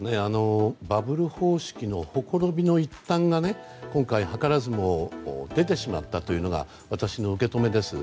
バブル方式のほころびの一端が今回、図らずも出てしまったというのが私の受け止めです。